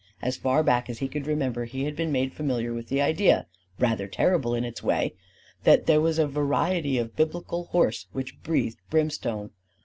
As far back as he could remember he had been made familiar with the idea rather terrible in its way that there was a variety of Biblical horse which breathed brimstone.